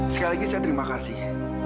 sekali lagi saya terima kasih